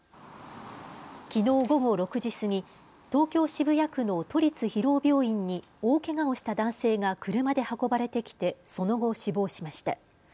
きのう午後６時過ぎ、東京渋谷区の都立広尾病院に大けがをした男性が車で運ばれてきてその後、死亡しました。